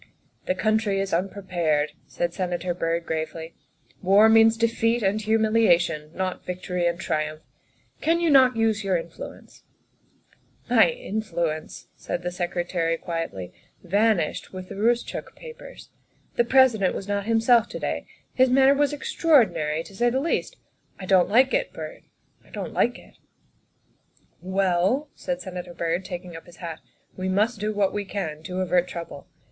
" The country is unprepared," said Senator Byrd gravely; " war means defeat and humiliation, not vic tory and triumph. Can you not use your influence ?''" My influence," said the Secretary quietly, " van ished with the Eoostchook papers. The President was not himself to day; his manner was extraordinary, to say the least. I don't like it, Byrd; I don't like it." " Well," said Senator Byrd, taking up his hat, " we must do what we can to avert trouble.